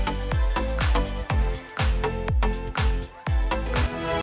mentayat anzil imam mohyarik bogor jawa barat